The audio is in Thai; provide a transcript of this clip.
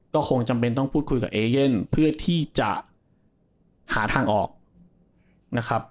ก็คงจำเป็นต้องพูดคุยกับเอเย่นเพื่อที่จะหาทางออกนะครับ